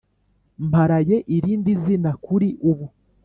Mparaye irindi zina kuri ubu,